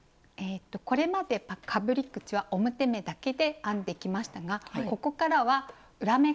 これまでかぶり口は表目だけで編んできましたがここからは裏目が登場します。